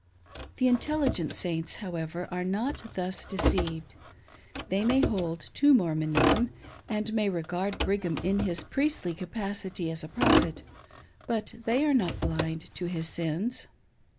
The intelligent Saints, however, are not thus deceived. They may hold to Mormonism, and may regard Brigham in his priestly capacity as a Prophet ; but they are not blind to his sins.